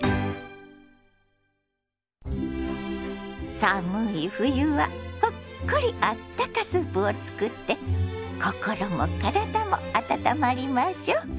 寒い冬はほっこりあったかスープを作って心も体も温まりましょ。